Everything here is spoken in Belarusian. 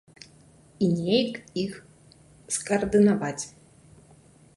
І неяк іх скаардынаваць.